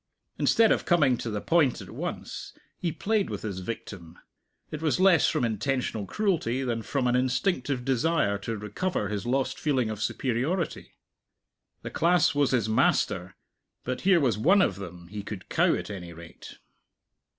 Instead of coming to the point at once, he played with his victim. It was less from intentional cruelty than from an instinctive desire to recover his lost feeling of superiority. The class was his master, but here was one of them he could cow at any rate.